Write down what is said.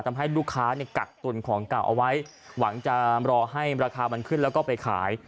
ทำให้ลูกค้าเนี่ยกักตุนของเก่าเอาไว้หวังจะรอให้ราคามันขึ้นแล้วก็ไปขาย